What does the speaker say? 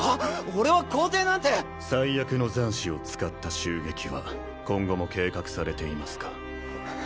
俺は肯定なんて災厄の残滓を使った襲撃は今後も計画されていますか？